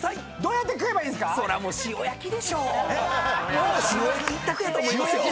もう塩焼き一択やと思いますよ。